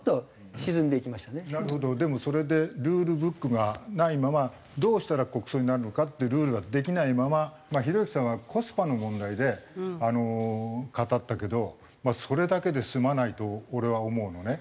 でもそれでルールブックがないままどうしたら国葬になるのかっていうルールができないまままあひろゆきさんはコスパの問題で語ったけどまあそれだけで済まないと俺は思うのね。